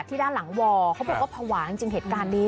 ด้านหลังวอเขาบอกว่าภาวะจริงเหตุการณ์นี้